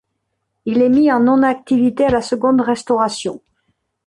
Il est mis en non activité à la Seconde Restauration.